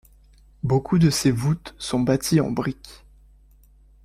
Beaucoup de ces voûtes sont bâties en briques.